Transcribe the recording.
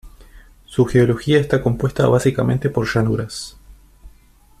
Su geografía está compuesta básicamente por llanuras.